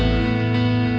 oke sampai jumpa